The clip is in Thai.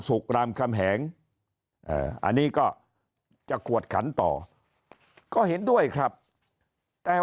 รามคำแหงอันนี้ก็จะกวดขันต่อก็เห็นด้วยครับแต่